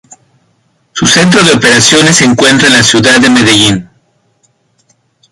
Su centro de operaciones se encuentra en la ciudad de Medellín.